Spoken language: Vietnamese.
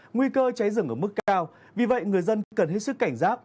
nguy cơ cháy rừng ở mức cao vì vậy người dân cần hết sức cảnh giác